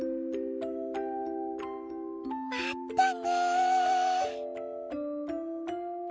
まったね。